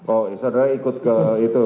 oh saudara ikut ke itu